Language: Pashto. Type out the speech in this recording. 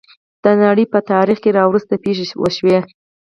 د نړۍ په تاریخ کې راوروسته پېښې وشوې.